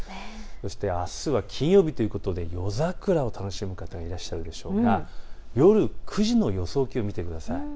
そしてあすは金曜日ということで夜桜を楽しむ方、いらっしゃるでしょうが夜９時の予想気温、見てください。